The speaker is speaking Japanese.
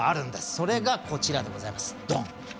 それがこちらでございますドン！